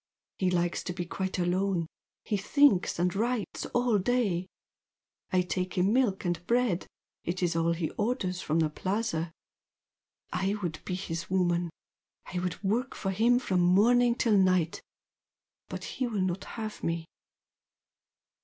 He likes to be quite alone he thinks and writes all day. I take him milk and bread, it is all he orders from the Plaza. I would be his woman. I would work for him from morning till night. But he will not have me."